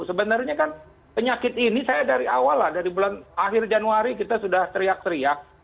sebenarnya kan penyakit ini saya dari awal lah dari bulan akhir januari kita sudah teriak teriak